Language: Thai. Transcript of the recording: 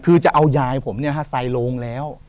คือจะเอายายผมใส่ลงแล้ว